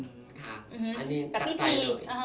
อันนี้จับใจเลย